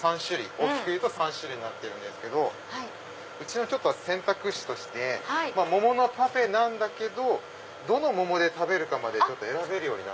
大きくいうと３種類になってるんですけどうちの選択肢として桃のパフェなんだけどどの桃で食べるか選べるように。